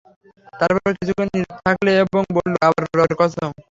তার পর কিছুক্ষণ নিরব থাকল এবং বলল, কাবার রবের কসম!